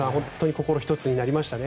心が一つになりましたね。